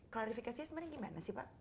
klarifikasinya sebenarnya gimana sih pak